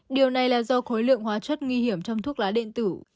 điều này là do khối lượng hóa chất nguy hiểm trong thuốc lá điện tử